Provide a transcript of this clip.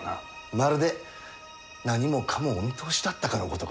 まるで何もかもお見通しだったかのごとくですなあ。